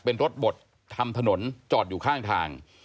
เป็นรถบดทำถนนจอดอยู่ข้างทาง